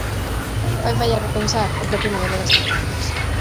Fai falla repensar o propio modelo das campañas.